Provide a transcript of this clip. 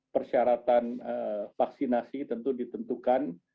persyaratan vaksinasi tentu ditentukan